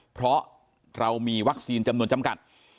เพราะเรามีวัคซีนจำนวนจำกัด